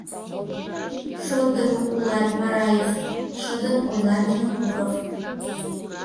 — Шотдымо улат, Мараев! — шыдын ойла Винокуров.